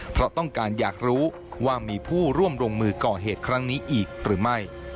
เพราะต้องการอยากรู้ว่ามีผู้ร่วมลงมือก่อเหตุครั้งนี้อีกหรือไม่